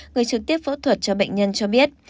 người trực tiếp phẫu thuật cho bệnh nhân cho biết